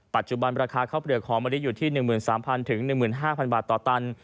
ปัจจุบันราคาข้าวเปลือกหอมะลิอยู่ที่๑๓๐๐๑๕๐๐บาทต่อตัน